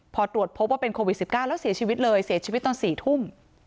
พอตรวจพบว่าเป็นโควิด๑๙แล้วเสียชีวิตเลยเสียชีวิตตอน๔ทุ่ม